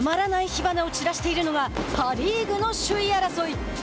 火花を散らしているのがパ・リーグの首位争い！